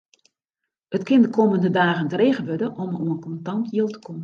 It kin de kommende dagen dreech wurde om oan kontant jild te kommen.